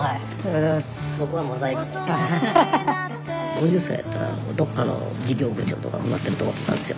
５０歳やったらどこかの事業部長とかなってると思ってたんですよ